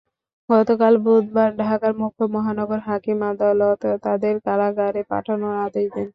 গতকাল বুধবার ঢাকার মুখ্য মহানগর হাকিম আদালত তাঁদের কারাগারে পাঠানোর আদেশ দেন।